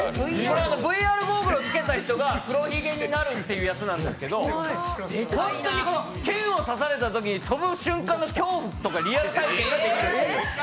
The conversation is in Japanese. ＶＲゴーグルをつけた人が黒ひげになるっていうやつなんですけど、剣を刺されたときに飛ぶ瞬間の恐怖とか、リアルタイムで伝わるんです。